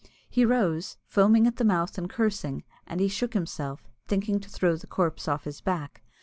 He rose, foaming at the mouth and cursing, and he shook himself, thinking to throw the corpse off his back.